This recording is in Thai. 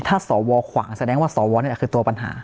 ถ้าสวขวางแสดงว่าสวนี่แหละคือตัวปัญหา